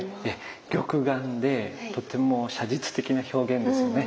玉眼でとても写実的な表現ですよね。